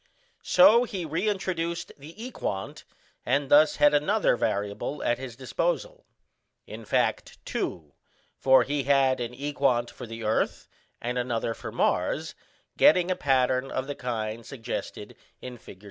So he reintroduced the equant, and thus had another variable at his disposal in fact, two, for he had an equant for the earth and another for Mars, getting a pattern of the kind suggested in Fig.